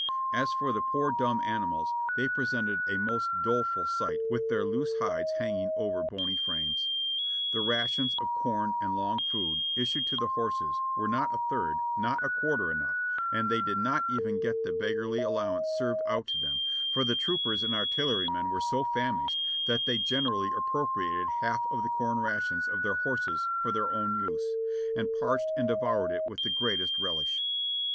As for the poor dumb animals, they presented a most doleful sight with their loose hides hanging over bony frames. The rations of corn and long food issued to the horses were not a third, nor a quarter enough, and they did not even get the beggarly allowance served out to them, for the troopers and artillerymen were so famished that they generally appropriated half of the corn rations of their horses for their own use, and parched and devoured it with the greatest relish.